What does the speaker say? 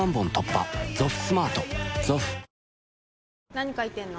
何書いてんの？